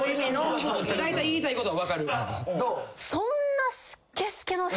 だいたい言いたいことは分かる。